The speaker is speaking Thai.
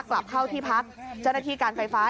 กลับเข้าที่พักเจ้าหน้าที่การไฟฟ้า